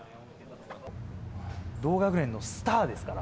同学年のスターですから。